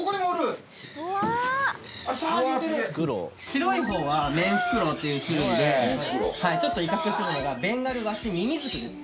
白い方はメンフクロウっていう種類でちょっと威嚇してたのがベンガルワシミミズクです。